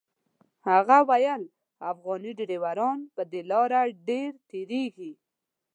هغه ویل افغاني ډریوران په دې لاره ډېر تېرېږي.